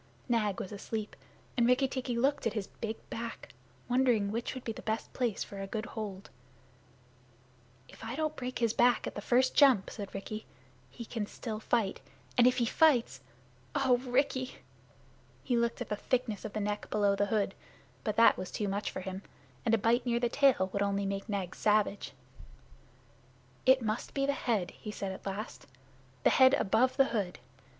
Nag was asleep, and Rikki tikki looked at his big back, wondering which would be the best place for a good hold. "If I don't break his back at the first jump," said Rikki, "he can still fight. And if he fights O Rikki!" He looked at the thickness of the neck below the hood, but that was too much for him; and a bite near the tail would only make Nag savage. "It must be the head"' he said at last; "the head above the hood.